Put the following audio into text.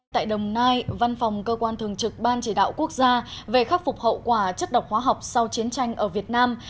tại đồng nai văn phòng cơ quan thường trực ban chỉ đạo quốc gia về khắc phục hậu quả chất độc hóa học sau chiến tranh ở việt nam